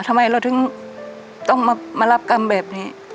ทำไมเราถึงต้องมารับกรรมแบบนี้